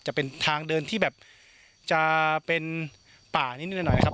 จะเป็นทางเดินที่แบบจะเป็นป่านิดหน่อยครับ